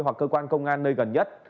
hoặc cơ quan công an nơi gần nhất